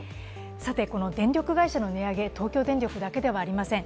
この電力会社の値上げ、東京電力だけではありません。